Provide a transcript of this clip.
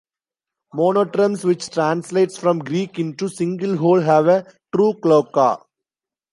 Monotremes, which translates from Greek into "single hole", have a true cloaca.